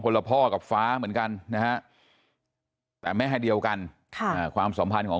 ละพ่อกับฟ้าเหมือนกันนะฮะแต่แม่เดียวกันค่ะความสัมพันธ์ของ